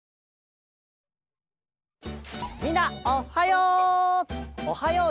みんなおっはよう！